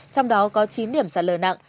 trong đó có chín điểm sạt lở nặng